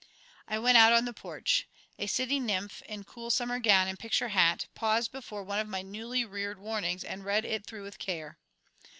I went out on the porch. A city nymph, in cool summer gown and picture hat, paused before one of my newly reared warnings and read it through with care.